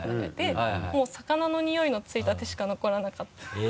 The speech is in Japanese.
もう魚のニオイの付いた手しか残らなかったです。